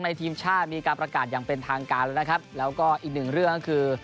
ในทีมชาตรมีการประกาศอย่างเป็นทางการแล้วก็อีกหนึ่งเรื่องก็คือ